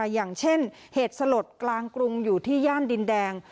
อย่างเช่นเหตุสลดกลางกรุงอยู่ที่ย่านดินแดง